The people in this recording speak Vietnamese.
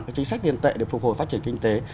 cái chính sách tiền tệ để phục hồi phát triển kinh tế